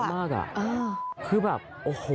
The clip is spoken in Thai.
คนไปเที่ยวเยอะมาก